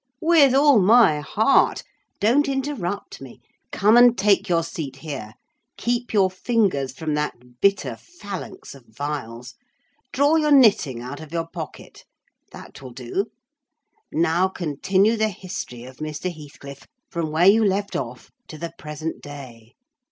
"With all my heart! Don't interrupt me. Come and take your seat here. Keep your fingers from that bitter phalanx of vials. Draw your knitting out of your pocket—that will do—now continue the history of Mr. Heathcliff, from where you left off, to the present day.